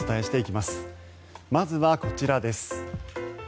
まずはこちらです。